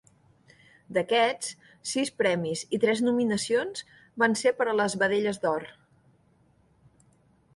D'aquests, sis premis i tres nominacions van ser per a les Vedelles d'Or.